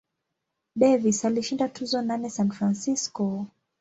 Davis alishinda tuzo nane San Francisco.